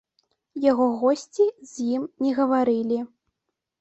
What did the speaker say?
Яго госці з ім не гаварылі.